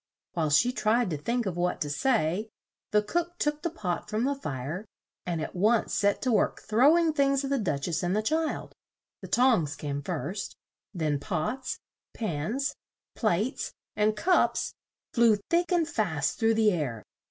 While she tried to think of what to say, the cook took the pot from the fire, and at once set to work throw ing things at the Duch ess and the child the tongs came first, then pots, pans, plates and cups flew thick and fast through the air.